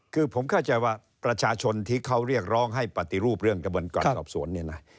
คือผมเข้าใจว่าประชาชนที่เขาเรียกร้องให้ปฏิรูปเรื่องกระบวนการสอบสวนเนี่ยนะ